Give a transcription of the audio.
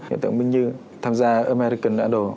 hiện tượng minh như tham gia american idol